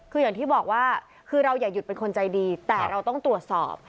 คืออย่างที่บอกว่าคือเราอย่าหยุดเป็นคนใจดีแต่เราต้องตรวจสอบ